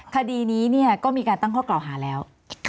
คดีนี้ก็มีการตั้งข้อกล่าวหาแล้ว